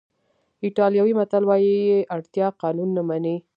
ایټالوي متل وایي اړتیا قانون نه مني.